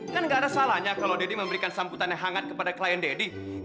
kan nggak ada salahnya kalau deddy memberikan samputan yang hangat kepada klien deddy